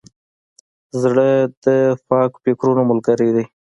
زړه د پاک فکرونو ملګری دی.